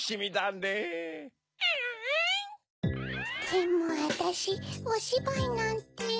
でもあたしおしばいなんて。